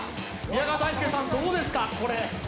宮川大輔さん、どうですか、これ。